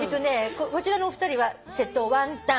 こちらのお二人は瀬戸ワンタン